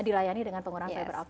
dilayani dengan penggunaan fiber op